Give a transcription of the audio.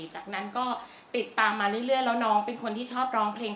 จากนั้นก็ติดตามมาเรื่อยแล้วน้องเป็นคนที่ชอบร้องเพลง